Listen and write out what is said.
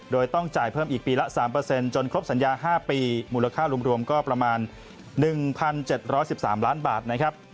โดยต้องจ่ายเพิ่มอีกปีละ๓จนครบสัญญา๕ปีมูลค่ารวมก็ประมาณ๑๗๑๓ล้านบาทนะครับ